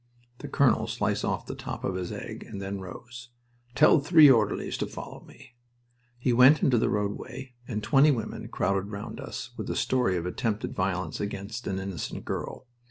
The colonel sliced off the top of his egg and then rose. "Tell three orderlies to follow me." We went into the roadway, and twenty women crowded round us with a story of attempted violence against an innocent girl.